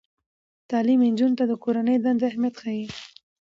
تعلیم نجونو ته د کورنۍ دندې اهمیت ښيي.